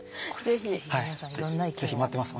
ぜひ待ってます。